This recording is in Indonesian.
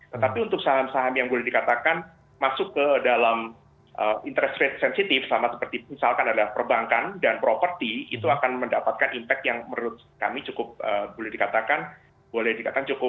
tetapi untuk saham saham yang boleh dikatakan masuk ke dalam interest rate sensitif sama seperti misalkan ada perbankan dan properti itu akan mendapatkan impact yang menurut kami cukup boleh dikatakan boleh dikatakan cukup